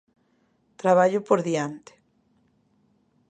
Traballo por diante.